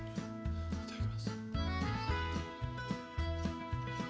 いただきます。